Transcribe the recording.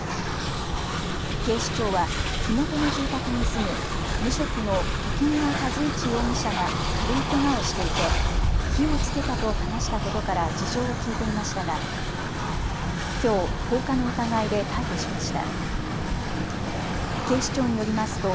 警視庁は火元の住宅に住む無職の時庭和一容疑者が軽いけがをしていて火をつけたと話したことから事情を聴いていましたがきょう、放火の疑いで逮捕しました。